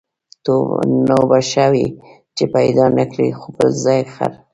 نو به ښه وي چي پیدا نه کړې بل ځل خر